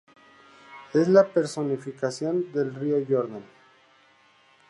Es la personificación del río Jordán.